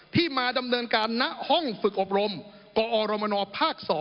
ที่มาดำเนินการณห้องฝึกอบรมกอรมนภาค๒